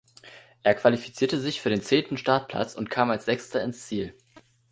Er qualifizierte sich für den zehnten Startplatz und kam als Sechster ins Ziel.